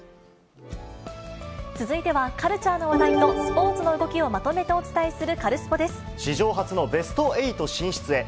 続いては、カルチャーの話題とスポーツの動きをまとめてお伝えするカルスポ史上初のベスト８進出へ。